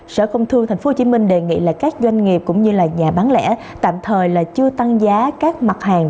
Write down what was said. sở công thương tp hcm đề nghị các doanh nghiệp cũng như nhà bán lẻ tạm thời chưa tăng giá các mặt hàng